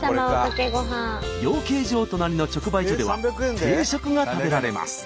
養鶏場隣の直売所では定食が食べられます。